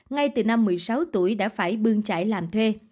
ngay từ năm một mươi sáu tuổi đã phải bương chạy làm thuê